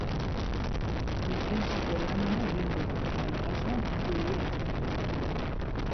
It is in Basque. Defentsako lan ona egin du, baina erasoan ez du ia ezer egin.